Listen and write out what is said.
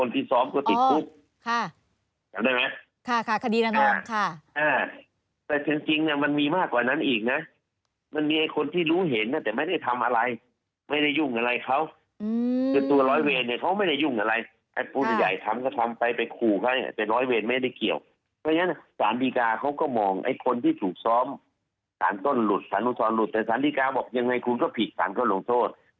แต่ศาลดีการินตัวนายงัยคุณก็ผิดศาลก็ลงโทษ